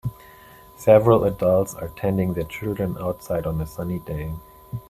Several adults are tending their children outside on a sunny day